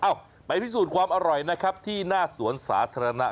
ไปพิสูจน์ความอร่อยนะครับที่หน้าสวนสาธารณะ